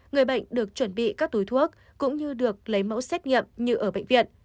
người bệnh được chuẩn bị các túi thuốc cũng như được lấy mẫu xét nghiệm như ở bệnh viện